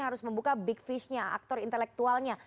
harus membuka big fish nya aktor intelektualnya